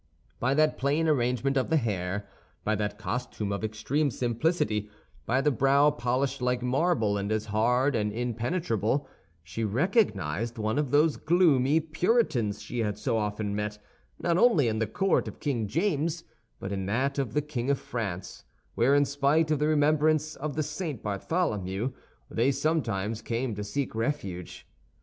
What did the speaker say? By that plain arrangement of the hair, by that costume of extreme simplicity, by the brow polished like marble and as hard and impenetrable, she recognized one of those gloomy Puritans she had so often met, not only in the court of King James, but in that of the King of France, where, in spite of the remembrance of the St. Bartholomew, they sometimes came to seek refuge.